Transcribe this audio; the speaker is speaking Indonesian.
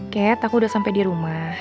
kat aku udah sampe di rumah